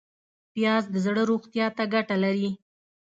پیاز د زړه روغتیا ته ګټه لري